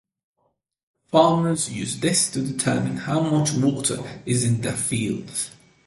Farmers use this to determine how much water is in their fields.